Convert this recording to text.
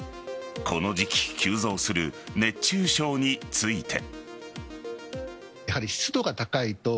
この時期急増する熱中症について。